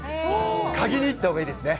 嗅ぎに行ったほうがいいですね。